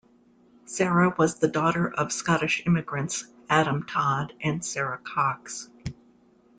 Sarah was the daughter of Scottish immigrants Adam Todd and Sarah Cox.